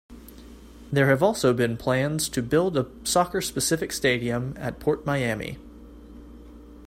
There have also been plans to build a soccer-specific stadium at PortMiami.